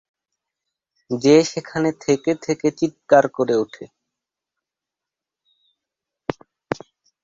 যে সেখানে থেকে থেকে চিৎকার করে উঠে।